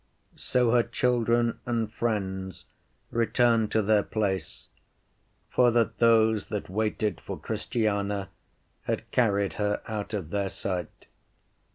So her children and friends returned to their place, for that those that waited for Christiana had carried her out of their sight.